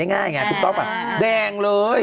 มันจะเห็นได้ง่ายนี้นะครับมันจะกลั้นแดงเลย